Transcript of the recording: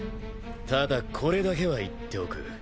ただこれだけは言っておく。